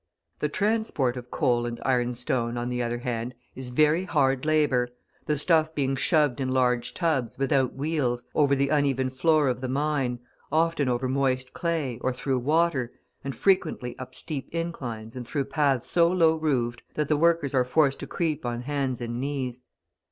The transport of coal and iron stone, on the other hand, is very hard labour, the stuff being shoved in large tubs, without wheels, over the uneven floor of the mine; often over moist clay, or through water, and frequently up steep inclines and through paths so low roofed that the workers are forced to creep on hands and knees.